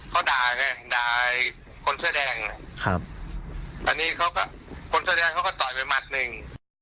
เขาด่าไงด่าคนเชื้อแดงอันนี้คนเชื้อแดงเขาก็ต่อยไปมัดหนึ่ง